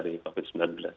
mencegah kita tertular dari